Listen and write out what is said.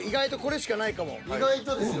意外とですよね。